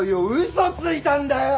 嘘ついたんだよ！